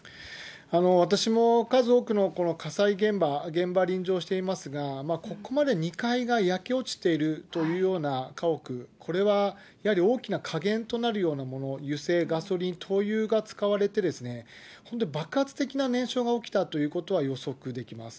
私も数多くの火災現場、現場臨場していますが、ここまで２階が焼け落ちているというような家屋、これはやはり大きな火源となるようなもの、油性、ガソリン、灯油が使われて、爆発的な燃焼が起きたということは予測できます。